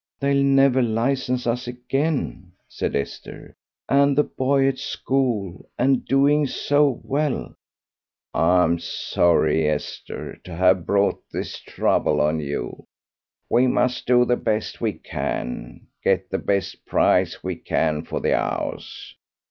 "They'll never license us again," said Esther, "and the boy at school and doing so well." "I'm sorry, Esther, to have brought this trouble on you. We must do the best we can, get the best price we can for the 'ouse.